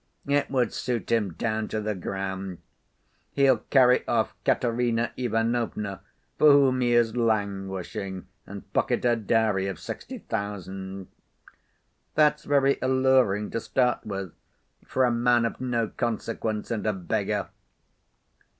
It would suit him down to the ground. He'll carry off Katerina Ivanovna, for whom he is languishing, and pocket her dowry of sixty thousand. That's very alluring to start with, for a man of no consequence and a beggar.